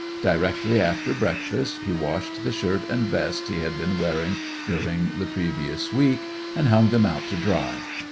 Directly after breakfast he washed the shirt and vest he had been wearing during the previous week, and hung them out to dry.